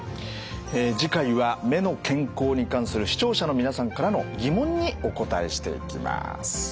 え次回は目の健康に関する視聴者の皆さんからの疑問にお答えしていきます。